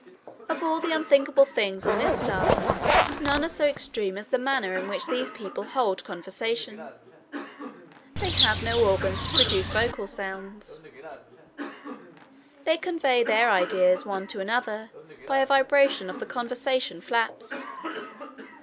Of all the unthinkable things on this star none are so extreme as the manner in which these people hold conversation. They have no organs to produce vocal sounds. [Illustration: Fire Life on a Fixed Star.] They convey their ideas one to another by a vibration of the conversation flaps.